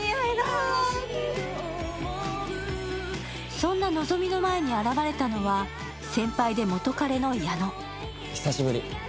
そんな希美の前に現れたのは先輩で元カレの矢野。